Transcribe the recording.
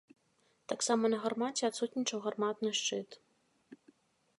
Таксама на гармаце адсутнічаў гарматны шчыт.